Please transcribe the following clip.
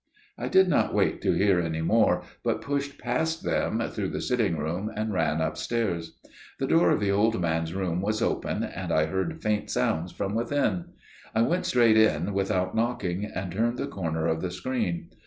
I did not wait to hear any more, but pushed past them, through the sitting room, and ran upstairs. The door of the old man's room was open, and I heard faint sounds from within. I went straight in without knocking, and turned the corner of the screen.